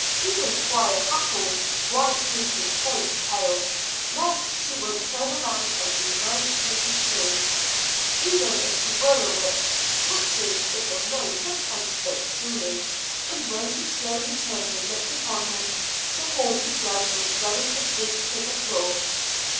Even Squire Hathorne's wine crimsoned face paled, lest she would turn around and denounce him too. Even if she were a witch, witches it was known sometimes spoke truly. And when she slowly turned and looked upon him, the haughty judge was ready to sink to the floor.